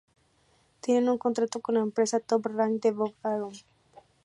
Tiene un contrato con la empresa Top Rank de Bob Arum.